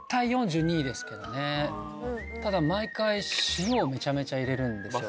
ただ毎回塩をめちゃめちゃ入れるんですよ。